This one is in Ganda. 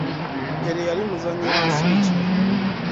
Pere yali muzannyi wa nsi ki ?